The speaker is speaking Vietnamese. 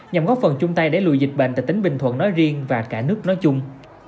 nhằm góp phần chung tay để lùi dịch bệnh tại tỉnh bình thuận nói riêng và cả nước nói chung